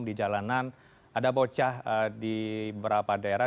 di jalanan ada bocah di beberapa daerah